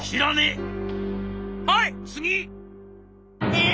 「え！